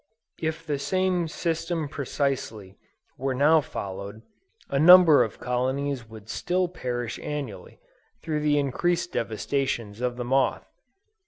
If the same system precisely, were now followed, a number of colonies would still perish annually, through the increased devastations of the moth.